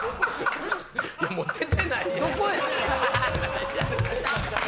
もう出てないねん。